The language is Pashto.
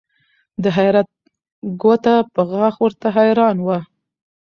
د حیرت ګوته په غاښ ورته حیران وه